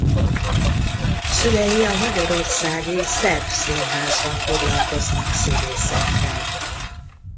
Szülei a Magyarországi Szerb Színházban foglalkoznak színészettel.